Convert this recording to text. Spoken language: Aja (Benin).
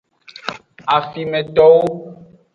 Afimetowo.